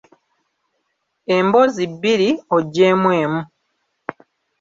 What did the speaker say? Emboozi bbiri oggyeemu emu.